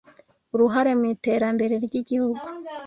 uruhare mu iterambere ry'igihugu